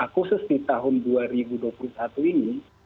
khusus di tahun dua ribu dua puluh satu ini